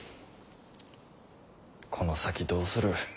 この先どうする？